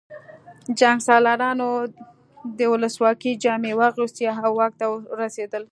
جنګسالارانو د ولسواکۍ جامې واغوستې او واک ته ورسېدل